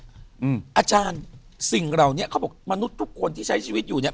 อาจารย์สิ่งเหล่านี้เขาบอกมนุษย์ทุกคนที่ใช้ชีวิตอยู่เนี่ย